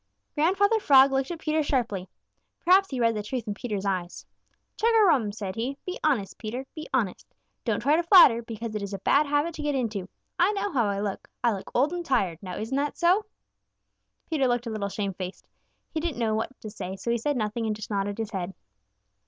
Grandfather Frog looked at Peter sharply. Perhaps he read the truth in Peter's eyes. "Chug a rum!" said he. "Be honest, Peter. Be honest. Don't try to flatter, because it is a bad habit to get into. I know how I look. I look old and tired. Now isn't that so?" Peter looked a little shamefaced. He didn't know just what to say, so he said nothing and just nodded his head.